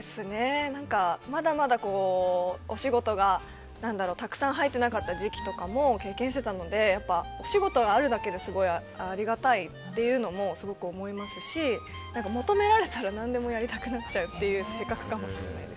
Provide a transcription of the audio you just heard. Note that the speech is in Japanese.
まだまだお仕事がたくさん入っていなかった時期も経験していたのでお仕事があるだけですごいありがたいっていうのもすごく思いますし求められたら何でもやりたくなる性格かもしれません。